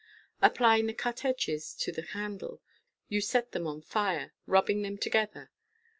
Applying the cut edges to the candle, you set them on fire, rubbing them together.